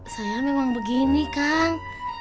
saya memang begini kang